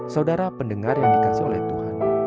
saudara pendengar yang dikasih oleh tuhan